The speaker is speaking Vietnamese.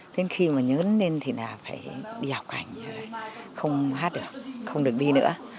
thế khi mà nhớ lên thì phải đi học hành không hát được không được đi nữa